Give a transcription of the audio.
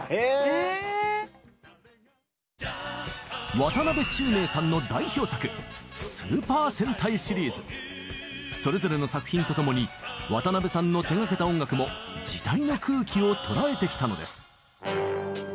渡辺宙明さんの代表作それぞれの作品と共に渡辺さんの手がけた音楽も時代の空気を捉えてきたのです。